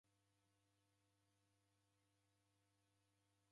Warwa Malapa.